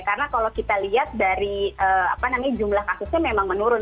karena kalau kita lihat dari jumlah kasusnya memang menurun